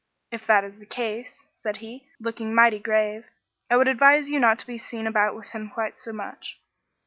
"'If that is the case,' said he, looking mighty grave, 'I would advise you not to be seen about with him quite so much.'